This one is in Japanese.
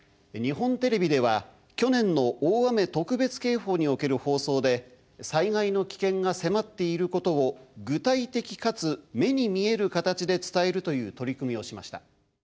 日本テレビでは去年の大雨特別警報における放送で災害の危険が迫っていることを具体的かつ目に見える形で伝えるという取り組みをしました。